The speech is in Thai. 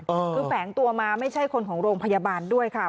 คือแฝงตัวมาไม่ใช่คนของโรงพยาบาลด้วยค่ะ